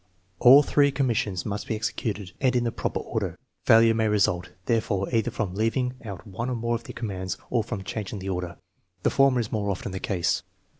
All three commissions must be executed and in the proper order. Failure may result, therefore, either from leaving out one or more of the commands or from changing the order. The former is more often the case.